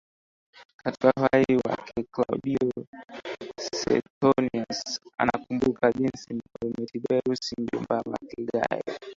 Katika Uhai wake Klaudio Suetonius anakumbuka jinsi mfalme Tiberius mjomba wake Gayo